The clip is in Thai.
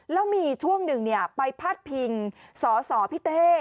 แล้วมีช่วงหนึ่งไปพาดพิงสอสอพี่เต้